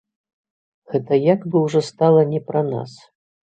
Гэта як бы ўжо стала не пра нас.